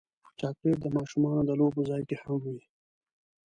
چاکلېټ د ماشومانو د لوبو ځای کې هم وي.